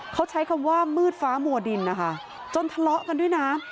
เขาใช้คำว่ามืดฟ้ามัวดินนะคะจนทะเลาะกันด้วยนะ